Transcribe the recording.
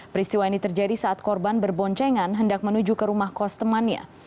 peristiwa ini terjadi saat korban berboncengan hendak menuju ke rumah kos temannya